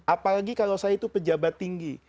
apalagi kalau saya itu pejabat tinggi